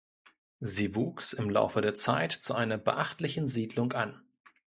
Sie wuchs im Laufe der Zeit zu einer beachtlichen Siedlung an.